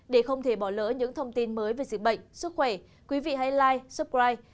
để không thể bỏ lỡ những thông tin mới về dịch bệnh sức khỏe quý vị hãy like subscribe